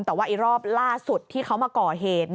แต่ว่ารอบล่าสุดที่เขามาก่อเหตุ